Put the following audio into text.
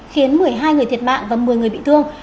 khiến một mươi hai người thiệt mạng và một mươi người bị thương